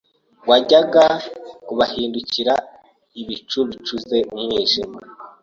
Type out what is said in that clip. wajyaga kubahindukira ibicu bicuze umwijima